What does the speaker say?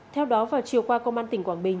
theo đó vào chiều qua công an tỉnh quảng bình